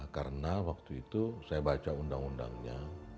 karena waktu itu saya baca undang undangnya